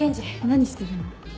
何してるの？